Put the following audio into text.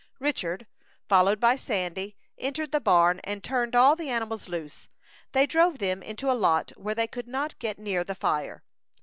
Richard, followed by Sandy, entered the barn, and turned all the animals loose. They drove them into a lot where they could not get near the fire.